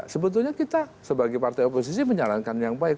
sebetulnya kita sebagai partai oposisi menyarankan yang baik